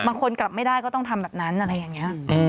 บางคนกลับไม่ได้ก็ต้องทำแบบนั้นอัดแบบนี้